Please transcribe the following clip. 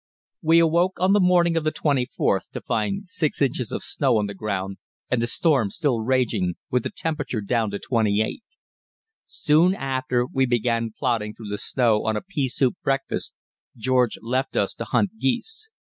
We awoke on the morning of the 24th to find six inches of snow on the ground and the storm still raging, with the temperature down to 28. Soon after we began plodding through the snow on a pea soup breakfast, George left us to hunt geese.